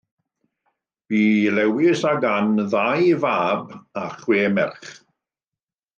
Bu i Lewis ac Anne ddau fab a chwe merch.